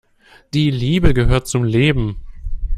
Die Liebe gehört zum Leben.